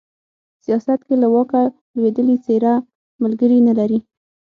سياست کې له واکه لوېدلې څېره ملگري نه لري